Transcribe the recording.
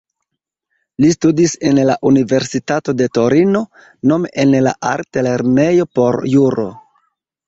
Li studis en la Universitato de Torino, nome en la Altlernejo por Juro.